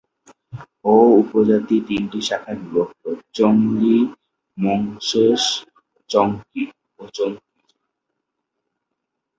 অও উপজাতি তিনটি শাখায় বিভক্ত- চোঙলি, মোঙসেন ও চঙকি।